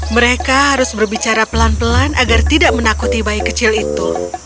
mereka harus berbicara pelan pelan agar tidak menakuti bayi kecil itu